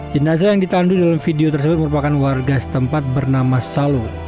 jenazah yang ditandu dalam video tersebut merupakan warga setempat bernama salo